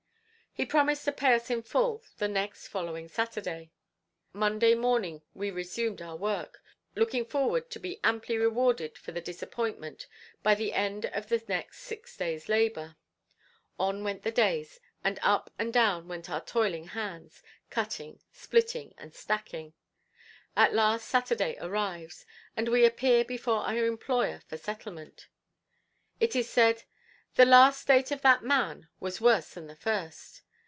He promised to pay us in full the next following Saturday. Monday morning we resumed our work, looking forward to be amply rewarded for the disappointment by the end of the next six days' labor. On went the days and up and down went our toiling hands cutting, splitting and stacking. At last Saturday arrives, and we appear before our employer for settlement. It is said, "The last state of that man was worse than the first."